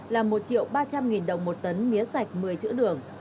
là một triệu ba trăm linh nghìn đồng một tấn mía sạch một mươi chữ đường